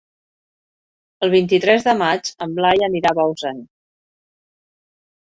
El vint-i-tres de maig en Blai anirà a Bausen.